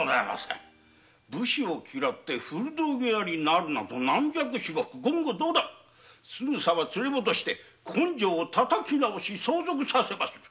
武士を嫌い古道具屋になるなど軟弱至極言語道断すぐさま連れ戻し根性をたたき直して相続させまする。